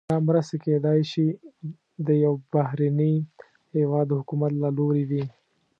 دا مرستې کیدای شي د یو بهرني هیواد د حکومت له لوري وي.